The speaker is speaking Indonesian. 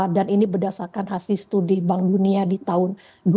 dan ini berdasarkan hasil studi bank dunia di tahun dua ribu sepuluh